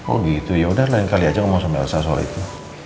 oh gitu yaudah lain kali aja ngomong sama elsa soal itu